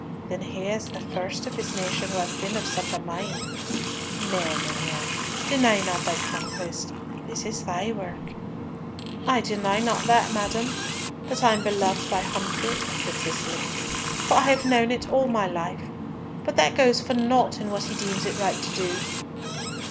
Then he is the first of his nation who hath been of such a mind! Nay, mignonne, deny not thy conquest. This is thy work." "I deny not that—that I am beloved by Humfrey," said Cicely, "for I have known it all my life; but that goes for naught in what he deems it right to do."